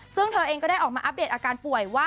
ซึ่งเธอเองก็ได้ออกมาอัปเดตอาการป่วยว่า